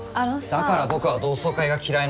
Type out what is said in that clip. だから僕は同窓会が嫌いなんです。